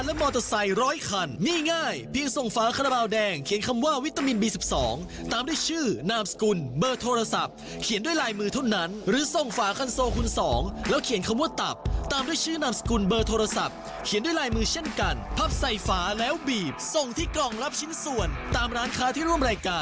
เอานี้เพื่อความชัดเจนนะอยากให้คุณผู้ชมได้ร่วมสนุกกันอย่างถูกต้องตามกติกา